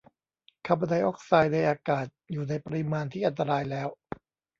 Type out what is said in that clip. คาร์บอนไดอ็อกไซด์ในอากาศ อยู่ในปริมาณที่อันตรายแล้ว